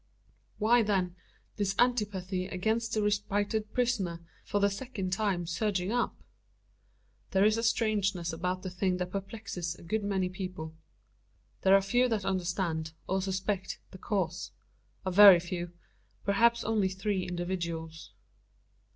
Why, then, this antipathy against the respited prisoner, for the second time surging up? There is a strangeness about the thing that perplexes a good many people. There are a few that understand, or suspect, the cause. A very few: perhaps only three individuals.